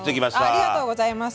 ありがとうございます。